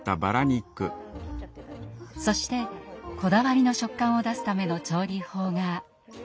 そしてこだわりの食感を出すための調理法が。